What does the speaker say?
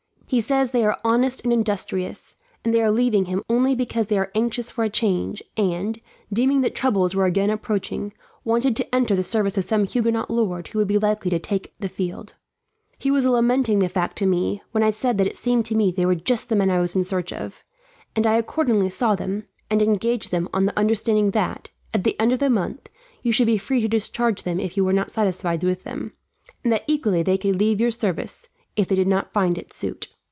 He says they are honest and industrious, and they are leaving him only because they are anxious for a change and, deeming that troubles were again approaching, wanted to enter the service of some Huguenot lord who would be likely to take the field. He was lamenting the fact to me, when I said that it seemed to me they were just the men I was in search of; and I accordingly saw them, and engaged them on the understanding that, at the end of a month, you should be free to discharge them if you were not satisfied with them; and that equally they could leave your service, if they did not find it suit.